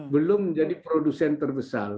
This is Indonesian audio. belum menjadi produsen terbesar